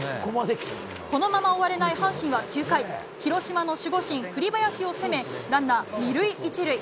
このまま終われない阪神は９回広島の守護神、栗林を攻めランナー２塁１塁。